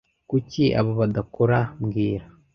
Kuki aba badakora mbwira